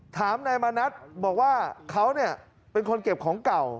ถามนายมณัฐบอกว่าเขาเป็นคนเก็บของเก่า